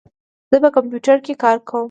زه په کمپیوټر کار کوم.